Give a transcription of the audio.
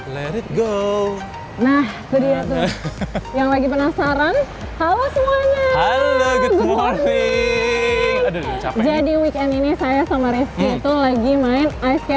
let it go nah yang lagi penasaran halo semuanya jadi weekend ini saya sama rizky lagi main ice